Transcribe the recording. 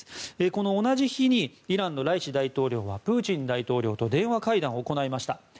この同じ日にイランのライシ大統領はプーチン大統領と電話会談を行いました。